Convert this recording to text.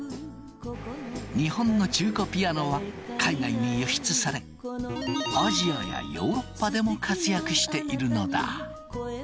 日本の中古ピアノは海外に輸出されアジアやヨーロッパでも活躍しているのだ。